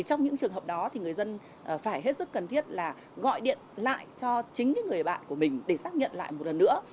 trong những trường hợp đó thì người dân phải hết sức cần thiết là gọi điện lại cho chính người bạn của mình để xác nhận lại một lần nữa